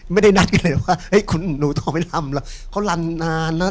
ไม่ได้นัดกันเลยว่าเอ้ยคุณหนูต้องไปรำแล้วเขารำนานนะ